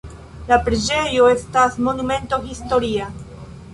La preĝejo estas Monumento historia.